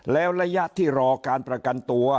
แล้วระยะที่รอการประกันตัว